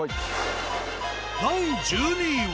第１２位は。